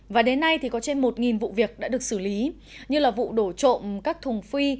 và đến nay thì có trên một vụ việc đã được xử lý như là vụ đổ trộm các thùng phi